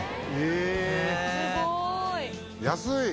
安い！